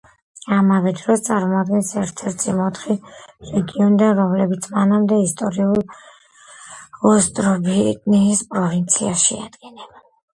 ამავე დროს წარმოადგენს ერთ-ერთს იმ ოთხი რეგიონიდან, რომლებიც მანამდე ისტორიულ ოსტრობოტნიის პროვინციას შეადგენდნენ.